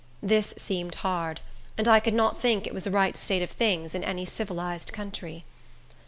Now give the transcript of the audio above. This seemed hard; and I could not think it was a right state of things in any civilized country.